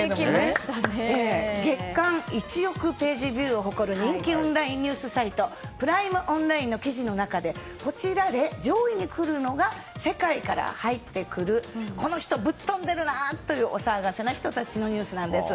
月間１億ページビューを誇る人気オンラインニュースサイトプライムオンラインの記事の中でこちらで上位に来るのが世界から入ってくるこの人、ぶっ飛んでるなというお騒がせな人たちのニュースなんです。